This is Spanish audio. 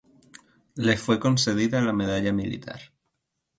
Le fue concedida la Medalla Militar.